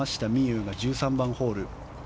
有が１３番ホール。